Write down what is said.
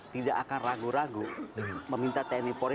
tidak akan ragu ragu meminta tni polri